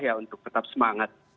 ya untuk tetap semangat